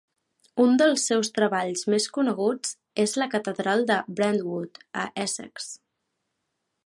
Un dels seus treballs més coneguts és la Catedral de Brentwood a Essex.